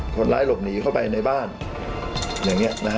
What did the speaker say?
คนร้ายหลบหนีเข้าไปหน้บ้าน